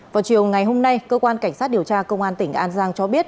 vào chiều ngày hôm nay cơ quan cảnh sát điều tra công an tỉnh an giang cho biết